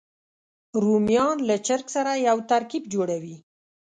رومیان له چرګ سره یو ترکیب جوړوي